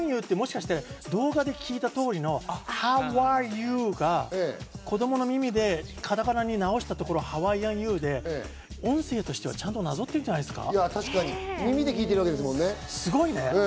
加藤さん、ハワイアンユーって聞いた通りのハウアーユーが、子供の耳でカタカナに直したところ、ハワイアンユーで、音声としてはちゃんとなぞってるんじゃないですか。